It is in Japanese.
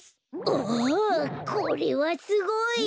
おおこれはすごい。